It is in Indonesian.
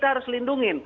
kita harus melindungi